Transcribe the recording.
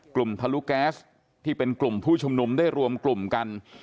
ทะลุแก๊สที่เป็นกลุ่มผู้ชุมนุมได้รวมกลุ่มกัน